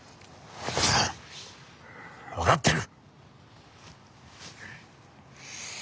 分かってる！